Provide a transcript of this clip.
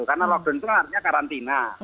karena lockdown itu artinya karantina